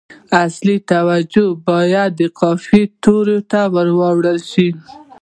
اصلي توجه باید د قافیې تورو ته واړول شي.